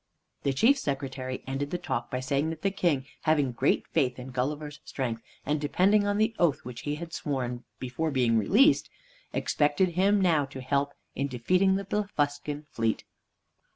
The Chief Secretary ended the talk by saying that the King, having great faith in Gulliver's strength, and depending on the oath which he had sworn before being released, expected him now to help in defeating the Blefuscan fleet.